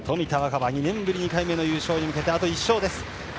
春２年ぶり２回目の優勝に向けてあと１勝です。